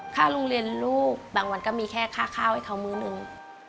ค่าโรงเรียนลูกบางวันก็มีแค่ค่าข้าวให้เขามื้อหนึ่ง